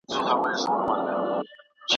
دا څېړنه به ستا علمي بصیرت ډېر زیات کړي.